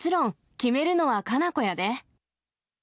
決めるのはカナコやで。